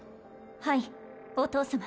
はいお父様